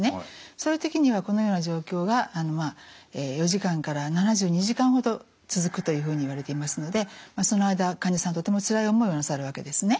そういう時にはこのような状況が４時間から７２時間ほど続くというふうにいわれていますのでその間患者さんとてもつらい思いをなさるわけですね。